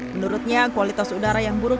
menurutnya kualitas udara yang buruk